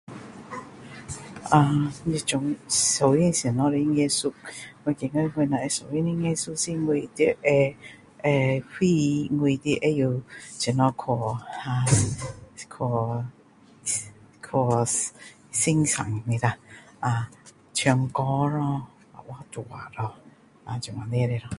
啊你最兴趣的什么艺术呃我觉得我若兴趣的艺术是我要会会明白我我要知道怎样去蛤去去去欣赏他啦啊唱歌咯画画咯啊这样的咯